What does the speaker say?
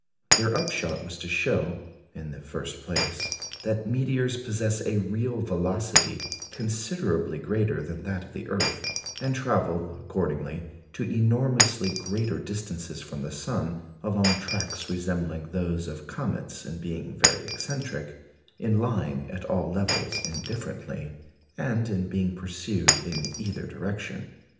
Their upshot was to show, in the first place, that meteors possess a real velocity considerably greater than that of the earth, and travel, accordingly, to enormously greater distances from the sun along tracks resembling those of comets in being very eccentric, in lying at all levels indifferently, and in being pursued in either direction.